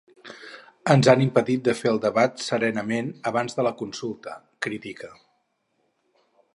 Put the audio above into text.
Ens han impedit de fer el debat serenament abans de la consulta, critica.